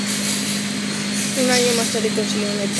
Un año más tarde consiguió una etapa del Tour de l'Avenir.